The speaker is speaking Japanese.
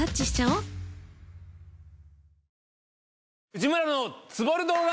『内村のツボる動画』！